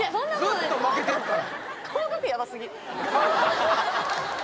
ずっと負けてるから降格？